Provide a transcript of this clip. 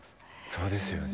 そうですよね。